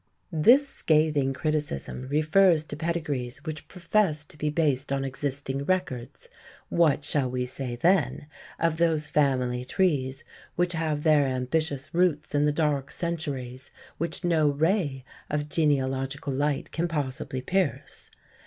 This scathing criticism refers to pedigrees which profess to be based on existing records; what shall we say, then, of those family trees which have their ambitious roots in the dark centuries which no ray of genealogical light can possibly pierce?